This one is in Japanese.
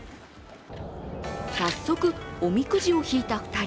早速、おみくじを引いた２人。